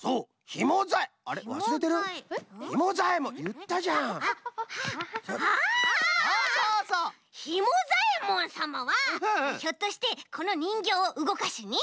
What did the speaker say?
ひもざえもんさまはひょっとしてこのにんぎょうをうごかしに？